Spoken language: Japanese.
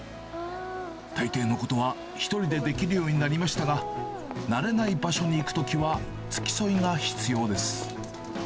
大抵のことは１人でできるようになりましたが、慣れない場所に行くときは、付き添いが必要です。